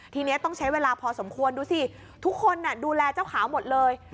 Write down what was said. ทีนี้ต้องใช้เวลาพอสมควรดูสิทุกคนดูแลเจ้าขาวหมดเลย